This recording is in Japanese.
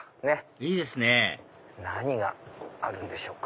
いいですね何があるんでしょうか？